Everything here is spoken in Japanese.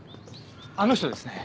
あの人ですね。